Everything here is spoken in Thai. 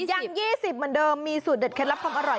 ยัง๒๐เหมือนเดิมมีสูตรเด็ดเคล็ดลับความอร่อย